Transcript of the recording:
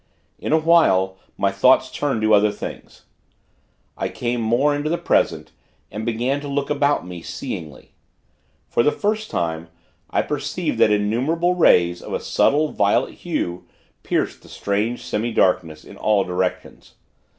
In a while, my thoughts turned to other things. I came more into the present, and began to look about me, seeingly. For the first time, I perceived that innumerable rays, of a subtle, violet hue, pierced the strange semi darkness, in all directions.